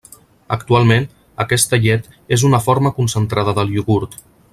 Actualment, aquesta llet és una forma concentrada del iogurt.